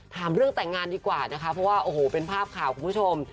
ถามเรื่องแต่งงานดีกว่านะคะเพราะว่าโอ้โหเป็นภาพข่าวคุณผู้ชม